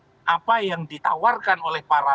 jadi parkan mereka di esokavikan pengacara